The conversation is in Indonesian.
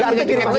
artinya tiket juga